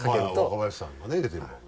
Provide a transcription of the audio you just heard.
若林さんがね出てる番組。